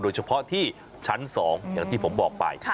โดยเฉพาะที่ชั้น๒อย่างที่ผมบอกไป